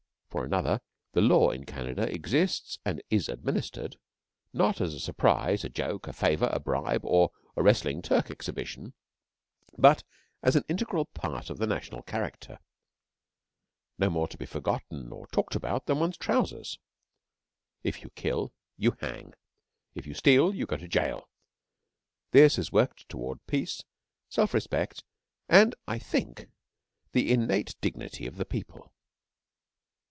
For another, the law in Canada exists and is administered, not as a surprise, a joke, a favour, a bribe, or a Wrestling Turk exhibition, but as an integral part of the national character no more to be forgotten or talked about than one's trousers. If you kill, you hang. If you steal, you go to jail. This has worked toward peace, self respect, and, I think, the innate dignity of the people.